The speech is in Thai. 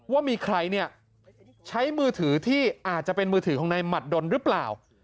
ว่ามีใครเนี่ยใช้มือถือที่อาจจะเป็นมือถือของนายหมัดดนหรือเปล่า